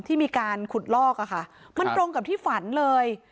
ที่มีการขุดลอกอะค่ะมันตรงกับที่ฝันเลย